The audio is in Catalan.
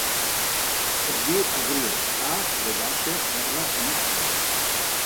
Es diu Avril: a, ve baixa, erra, i, ela.